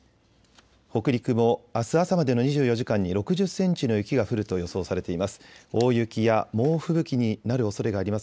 北陸もあす朝までの２４時間に６０センチの雪が降ると予想されています。